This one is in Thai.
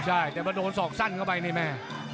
ใช่แต่พอโดนศอกสั้นเข้าไปนี่แม่